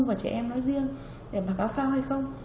và trẻ em nói riêng để bằng cáo phao hay không